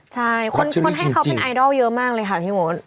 ใช่คนให้เขาเป็นไอดอลเยอะมากเลยค่ะพี่มด